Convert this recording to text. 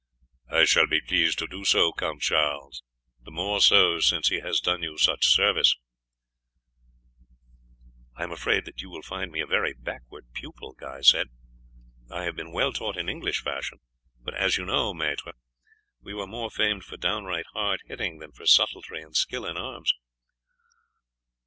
"I shall be pleased to do so, Count Charles, the more so since he has done you such service." "I am afraid that you will, find me a very backward pupil," Guy said. "I have been well taught in English fashion, but as you know, maître, we were more famed for downright hard hitting than for subtlety and skill in arms."